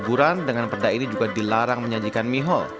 hiburan dengan perda ini juga dilarang menyajikan mihol